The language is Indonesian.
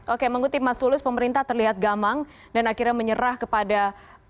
oke mengutip mas tulus pemerintah terlihat gamang dan akhirnya menyerah kepada